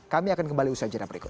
kami akan kembali usai acara berikut